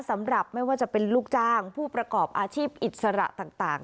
สำหรับไม่ว่าจะเป็นลูกจ้างผู้ประกอบอาชีพอิสระต่าง